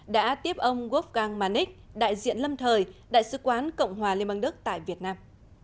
đã tiếp ông gofang manich đại diện lâm thời đại sứ quán cộng hòa liên bang đức tại việt nam